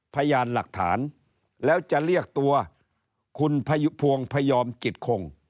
พยานหลักฐานแล้วจะเรียกตัวคุณพวงพยอมจิตคง